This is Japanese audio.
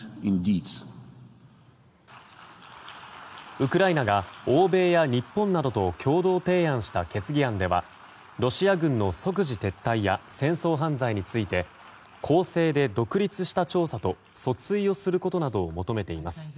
ウクライナが欧米や日本などと共同提案した決議案ではロシア軍の即時撤退や戦争犯罪について公正で独立した調査と訴追をすることなどを求めています。